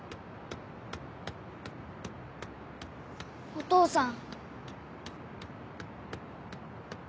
お父さん。